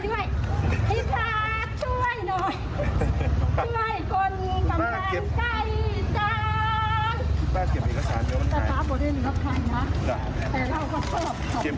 พี่ป้าเก็บเอกสารให้วันใกล้